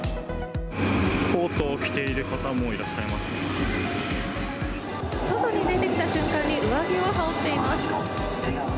コートを着ている方もいらっ外に出てきた瞬間に、上着を羽織っています。